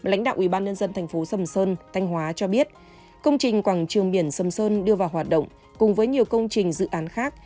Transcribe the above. lãnh đạo ubnd tp sầm sơn thanh hóa cho biết công trình quảng trường biển sầm sơn đưa vào hoạt động cùng với nhiều công trình dự án khác